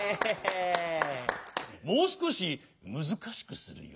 もうすこしむずかしくするよ。